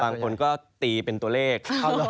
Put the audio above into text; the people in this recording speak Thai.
บางคนก็ตีเป็นตัวเลข